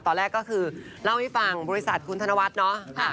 ตอนแรกก็คือเล่าให้ฟังบริษัทคุณธนวัฒน์เนาะ